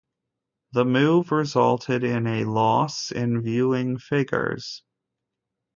The move resulted in a loss in viewing figures.